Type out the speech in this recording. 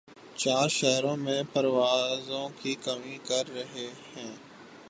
چار شہرو ں میں پروازوں کی کمی کر رہے ہیں